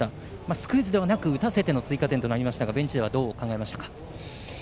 スクイズではなく打たせての追加点となりましたがベンチではどう考えましたか。